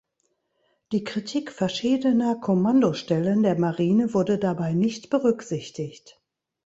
Die Kritik verschiedener Kommandostellen der Marine wurde dabei nicht berücksichtigt.